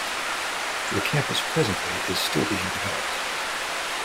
The campus presently is still being developed.